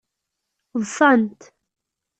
Ḍsant.